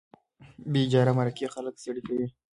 بې اجره مرکې خلک ستړي کوي.